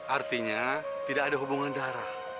artinya tidak ada hubungan darah